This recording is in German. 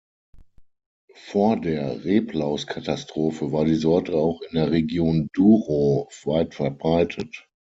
Vor der Reblauskatastrophe war die Sorte auch in der Region Douro weitverbreitet.